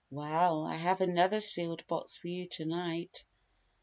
Well, I have another sealed box for you to night.